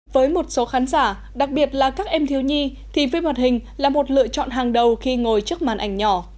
với một số khán giả đặc biệt là các em thiếu nhi thì phim hoạt hình là một lựa chọn hàng đầu khi ngồi trước màn ảnh nhỏ